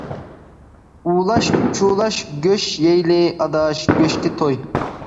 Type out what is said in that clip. ئولاش-چولاش گۆش يەيلى، ئاداش گۆشكە توي.